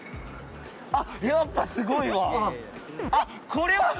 あっやっぱすごいわ！